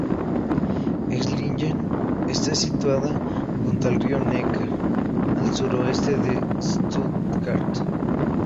Esslingen está situada junto al río Neckar, al suroeste de Stuttgart.